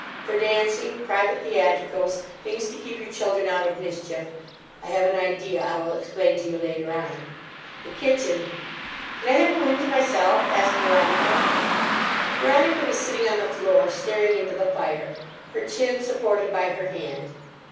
For dancing, private theatricals—things to keep you children out of mischief—I have an idea I will explain to you later on. The kitchen—" "Can I have a room to myself?" asked Veronica. Veronica was sitting on the floor, staring into the fire, her chin supported by her hand.